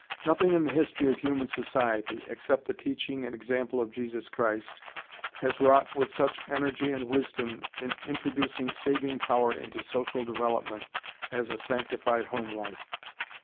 Nothing in the history of human society, except the teaching and example of Jesus Christ, has wrought with such energy and wisdom in introducing saving power into social development as a sanctified home life.